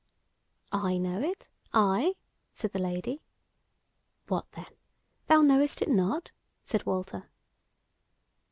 "I know it, I?" said the Lady. "What, then! thou knowest it not?" said Walter.